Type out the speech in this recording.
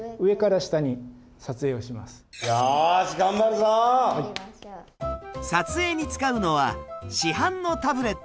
撮影に使うのは市販のタブレット。